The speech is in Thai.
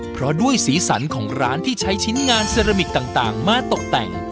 เพราะด้วยสีสันของร้านที่ใช้ชิ้นงานเซรามิกต่างมาตกแต่ง